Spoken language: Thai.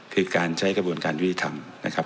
คือการใช้กระบวนการยุติธรรมนะครับ